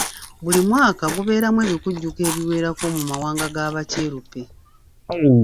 Buli mwaka gubeeramu ebikujjuko ebiwerako mu mawanga ga Bakyeruppe.